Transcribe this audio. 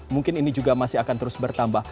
mungkin ini juga masih akan terus bertambah